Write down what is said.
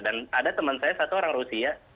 dan ada teman saya satu orang rusia